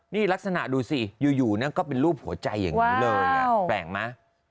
นี่ลักษณะดูสิอยู่ก็เป็นรูปหัวใจอย่างนี้เลยแปลกไหม